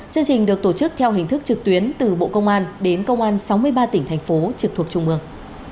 chương trình được tổ chức theo hình thức trực tuyến từ bộ công an đến công an sáu mươi ba tỉnh thành phố trực thuộc trung mương